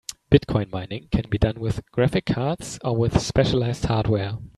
Bitcoin mining can be done with graphic cards or with specialized hardware.